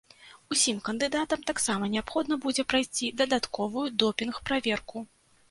Усім кандыдатам таксама неабходна будзе прайсці дадатковую допінг-праверку.